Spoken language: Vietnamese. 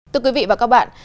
từ quý vị và các bạn